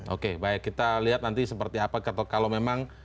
oke baik kita lihat nanti seperti apa kalau memang